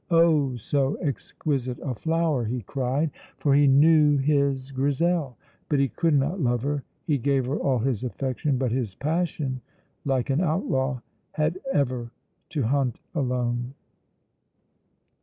Oh, so exquisite a flower! he cried, for he knew his Grizel. But he could not love her. He gave her all his affection, but his passion, like an outlaw, had ever to hunt alone.